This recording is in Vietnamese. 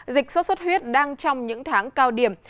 dịch sốt xuất huyết đang trong những tháng cao điểm